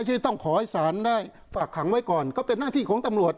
ที่ต้องขอให้ศาลได้ฝากขังไว้ก่อนก็เป็นหน้าที่ของตำรวจ